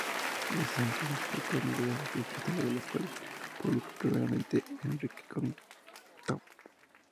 De este santo obispo corren diversas epístolas, las cuales publicó primeramente Enrique Canino, "tom.